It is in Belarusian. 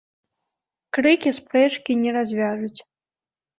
Крыкі спрэчкі не разьвяжуць